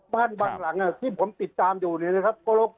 บ้านบางหลังที่ผมติดตามอยู่เนี่ยนะครับ